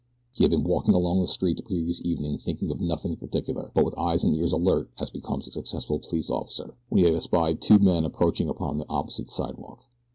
He had been walking along the street the previous evening thinking of nothing in particular; but with eyes and ears alert as becomes a successful police officer, when he had espied two men approaching upon the opposite sidewalk.